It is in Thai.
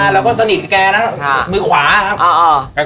และก็สนิทแกนะมือขวาครับ